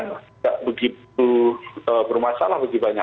tidak begitu bermasalah